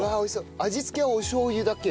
味付けはおしょう油だけ？